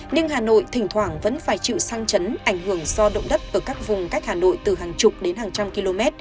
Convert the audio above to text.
nhưng hà nội thỉnh thoảng vẫn phải chịu sang chấn ảnh hưởng do động đất ở các vùng cách hà nội từ hàng chục đến hàng trăm km